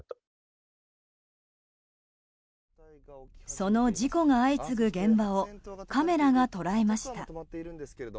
その事故が相次ぐ現場をカメラが捉えました。